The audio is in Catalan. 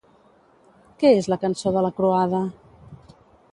Què és la Cançó de la Croada?